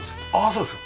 そうですか。